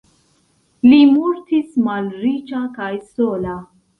Li mortis malriĉa kaj sola.